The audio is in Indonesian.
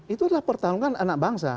itu adalah pertarungan anak bangsa